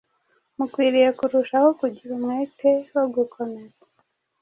mukwiriye kurushaho kugira umwete wo gukomeza